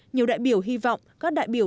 nhiều đại biểu hy vọng các đại biểu